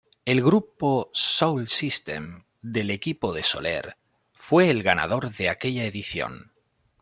El grupo Soul System, del equipo de Soler, fue el ganador de aquella edición.